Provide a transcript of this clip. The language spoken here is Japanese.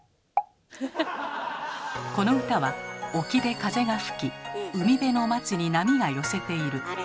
この歌は「沖で風が吹き海辺の松に波が寄せている。